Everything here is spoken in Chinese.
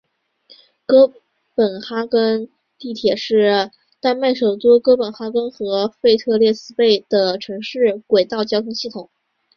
哥本哈根地铁是丹麦首都哥本哈根和腓特烈斯贝的城市轨道交通系统。